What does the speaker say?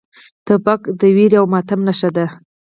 توپک د ویر او ماتم نښه ده.